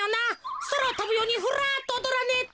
そらをとぶようにフラッとおどらねえと。